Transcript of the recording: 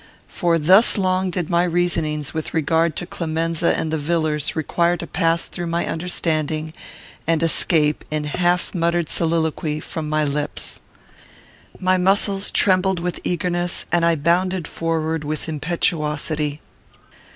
for thus long did my reasonings with regard to Clemenza and the Villars require to pass through my understanding, and escape, in half muttered soliloquy, from my lips. My muscles trembled with eagerness, and I bounded forward with impetuosity.